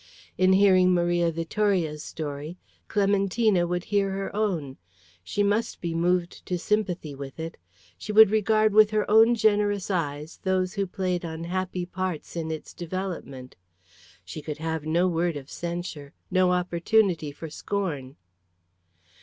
In hearing Maria Vittoria's story, Clementina would hear her own; she must be moved to sympathy with it; she would regard with her own generous eyes those who played unhappy parts in its development; she could have no word of censure, no opportunity for scorn.